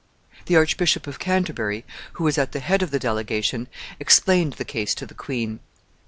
The Archbishop of Canterbury, who was at the head of the delegation, explained the case to the queen.